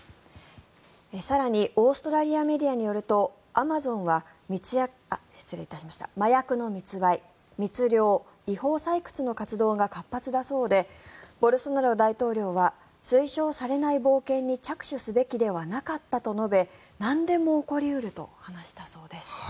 更にオーストラリアメディアによるとアマゾンは麻薬の密売密猟、違法採掘の活動が活発だそうでボルソナロ大統領は推奨されない冒険に着手すべきではなかったと述べなんでも起こり得ると話したそうです。